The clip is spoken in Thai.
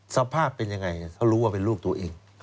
สภาพเป็นยังไงเขารู้ว่าเป็นลูกตัวเอง